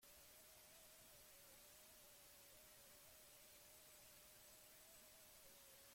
Emakumezko kirolari baten esperientziaz aritu zaigu.